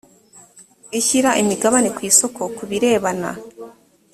ishyira imigabane ku isoko ku birebana